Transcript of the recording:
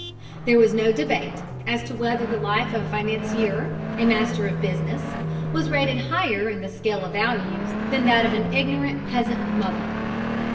There was no debate as to whether the life of a financier, a master of business, was rated higher in the scale of values than that of an ignorant peasant mother.